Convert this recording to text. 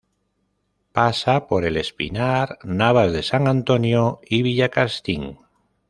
Pasa por El Espinar, Navas de San Antonio y Villacastín.